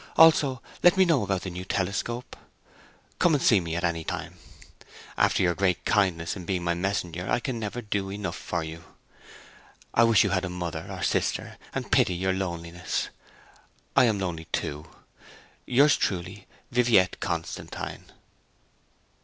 Also let me know about the new telescope. Come and see me at any time. After your great kindness in being my messenger I can never do enough for you. I wish you had a mother or sister, and pity your loneliness! I am lonely too. Yours truly, VIVIETTE CONSTANTINE.'